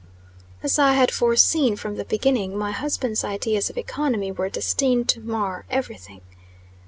As I had foreseen from the beginning, my husband's ideas of economy were destined to mar everything.